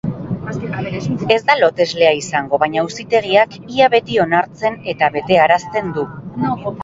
Ez da loteslea izango, baina auzitegiak ia beti onartzen eta betearazten du.